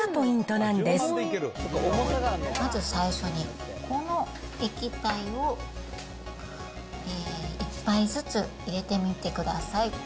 なんまず最初に、この液体を１杯ずつ入れてみてください。